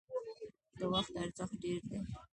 د وخت ارزښت ډیر دی